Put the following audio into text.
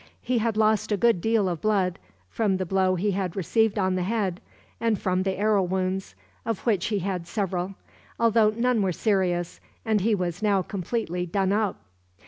He had lost a good deal of blood, from the blow he had received on the head; and from the arrow wounds, of which he had several, although none were serious; and he was now completely done up.